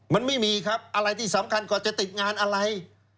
มันไม่มีครับอะไรที่สำคัญกว่าจะติดงานอะไร